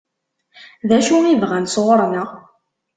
D acu i bɣan sɣur-neɣ?